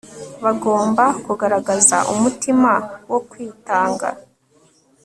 Bagomba kugaragaza umutima wo kwitanga